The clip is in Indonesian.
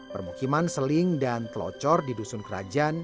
permukiman seling dan telocor di dusun kerajaan